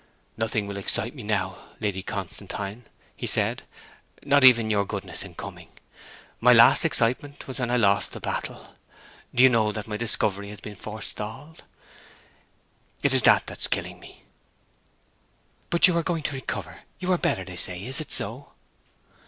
'Nothing will excite me now, Lady Constantine,' he said; 'not even your goodness in coming. My last excitement was when I lost the battle. ... Do you know that my discovery has been forestalled? It is that that's killing me.' 'But you are going to recover; you are better, they say. Is it so?'